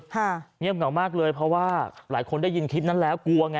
เงียบเหงามากเลยเพราะว่าหลายคนได้ยินคลิปนั้นแล้วกลัวไง